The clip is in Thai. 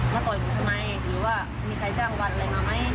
ต่อยหนูทำไมหรือว่ามีใครจ้างวันอะไรมาไหม